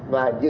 và dự án